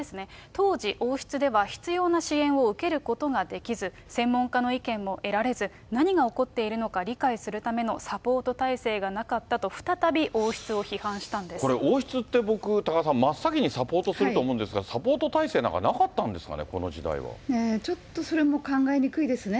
当時、王室では必要な支援を受けることができず、専門家の意見も得られず、何が起こっているのか理解するためのサポート体制がなかったと、これ、王室って僕、多賀さん、真っ先にサポートすると思うんですが、サポート体制なんかなかったんですかね、この時代は。ちょっとそれも考えにくいですね。